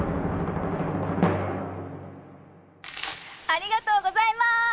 ありがとうございます！